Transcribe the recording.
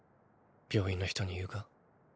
病院の人に言うか？